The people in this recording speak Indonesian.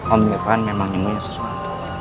om irfan memang nyemuin sesuatu